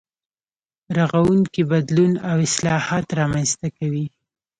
رغونکی بدلون او اصلاحات رامنځته کوي.